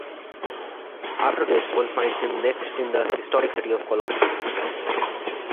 After this, one finds him next in the historic city of Cologne.